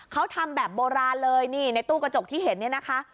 เขาทำแบบโบราณเลยนี่ในตู้กระจกที่เห็นเนี่ยนะคะ